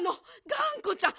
がんこちゃん。